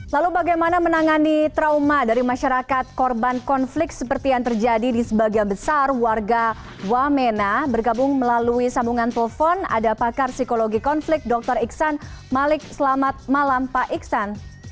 lalu bagaimana menangani trauma dari masyarakat korban konflik seperti yang terjadi di sebagian besar warga wamena bergabung melalui sambungan telepon ada pakar psikologi konflik dr iksan malik selamat malam pak iksan